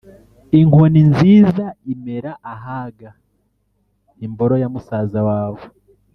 inkoni nziza imera ahaga: imboro _ya musaza wawe